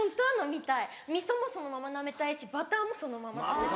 味噌もそのままなめたいしバターもそのまま食べたい。